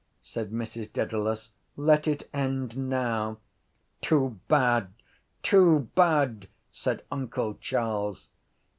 said Mrs Dedalus, let it end now. —Too bad! Too bad! said uncle Charles.